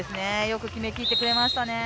よく決めきってくれましたね。